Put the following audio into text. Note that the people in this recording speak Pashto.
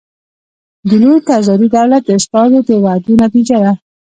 د لوی تزاري دولت د استازو د وعدو نتیجه ده.